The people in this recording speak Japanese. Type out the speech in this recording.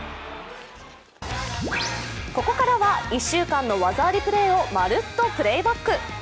ここからは１週間の技ありプレーをまるっとプレーバック。